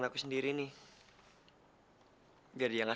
namun hari ini k douple arthur